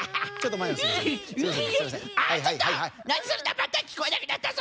またきこえなくなったぞ！